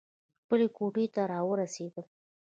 خپلې کوټې ته راورسېدم.